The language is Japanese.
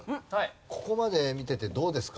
ここまで見ててどうですか？